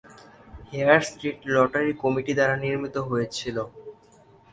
Hair Street lottery committee দ্বারা নির্মিত হয়েছিল।